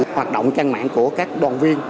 hoạt động trang mạng của các đoàn viên